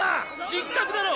失格だろ！